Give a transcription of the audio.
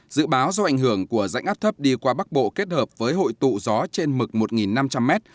dự báo do ảnh hưởng của rãnh áp thấp đi qua bắc bộ kết hợp với hội tụ gió trên mực một năm trăm linh m